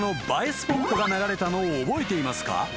スポットが流れたのを覚えていますか？］